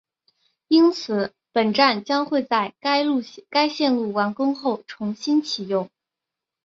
因此本站将会在该线路完工后重新启用